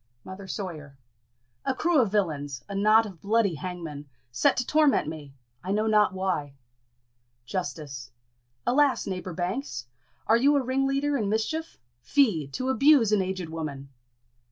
Mother Sawyer. A crew of villains a knot of bloody hangmen! set to torment me! I know not why. Justice. Alas, neighbour Banks! are you a ringleader in mischief? Fie! to abuse an aged woman!